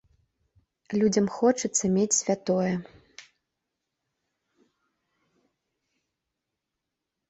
Людзям хочацца мець святое.